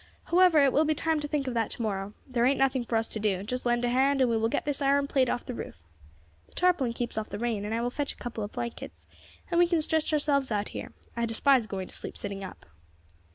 However, it will be time to think of that to morrow. There ain't nothing for us to do; just lend us a hand, and we will get this iron plate off the roof. The tarpaulin keeps off the rain, and I will fetch a couple of blankets, and we can stretch ourselves out here; I despise going to sleep sitting up."